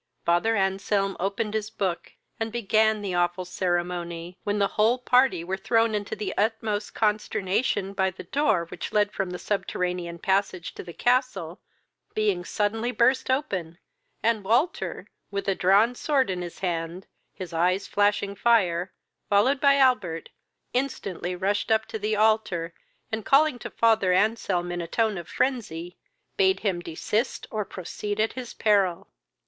Father Anselm opened his book, and began the awful ceremony, when the whole party were thrown into the utmost consternation by the door, which led from the subterranean passage to the castle, being suddenly burst open, and Walter, with a drawn sword in his hand, his eyes flashing fire, followed by Albert, instantly rushed up to the altar, and, calling to father Anselm in a tone of frenzy, bade him desist or proceed at his peril.